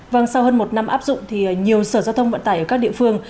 vâng sau hơn một năm áp dụng thì nhiều sở giao thông vận tải ở các địa phương